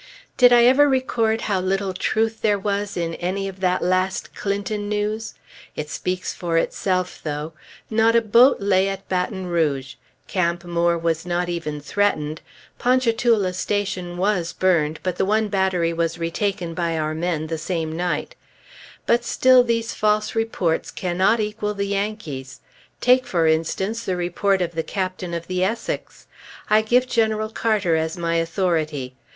Did I ever record how little truth there was in any of that last Clinton news? It speaks for itself, though. Not a boat lay at Baton Rouge; Camp Moore was not even threatened; Ponchatoula Station was burned, but the one battery was retaken by our men the same night. [Illustration: LINWOOD] But still these false reports cannot equal the Yankees'. Take, for instance, the report of the Captain of the Essex. I give General Carter as my authority.